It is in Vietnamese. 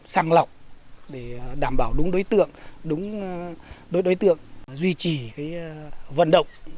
sàng lọc để đảm bảo đúng đối tượng đúng đối tượng duy trì cái vận động